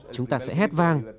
chúng ta sẽ hết vang